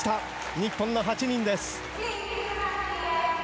日本の８人です。